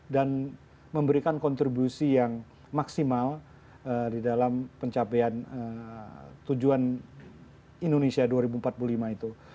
dan memberikan kontribusi yang maksimal di dalam pencapaian tujuan indonesia dua ribu empat puluh lima itu